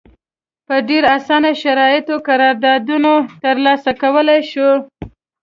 په ډېر اسانه شرایطو قراردادونه ترلاسه کولای شي.